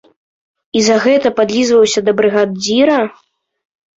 І за гэта падлізваўся да брыгадзіра?